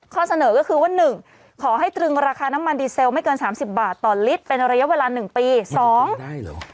ข้อเสนอก็คือว่า๑ขอให้ตรึงราคาน้ำมันดีเซลไม่เกิน๓๐บาทต่อลิตรเป็นระยะเวลา๑ปี๒ได้เหรอ